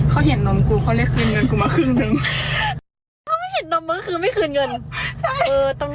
เขาเห็นนมกูเขาเรียกคืนเงินกูมาครึ่งนึง